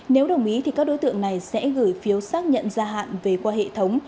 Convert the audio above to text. nếu đồng ý thì các đối tượng này sẽ gửi phiếu xác nhận gia hạn về qua hệ thống